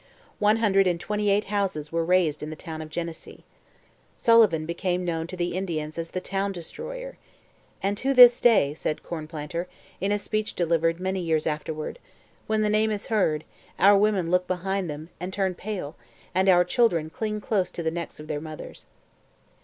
One hundred and twenty eight houses were razed in the town of Genesee. Sullivan became known to the Indians as the 'Town Destroyer.' 'And to this day,' said Cornplanter, in a speech delivered many years afterwards, 'when the name is heard, our women look behind them and turn pale and our children cling close to the necks of their mothers.'